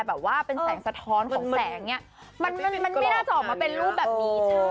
แบบว่าเป็นแสงสะท้อนของแสงเนี่ยมันไม่น่าจะออกมาเป็นรูปแบบนี้ใช่